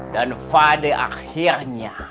dan fade akhirnya